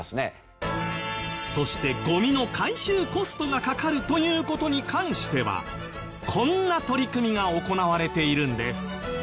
そしてゴミの回収コストがかかるという事に関してはこんな取り組みが行われているんです。